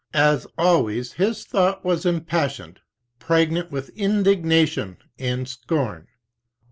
As always, his thought was im passioned, pregnant with indignation and scorn.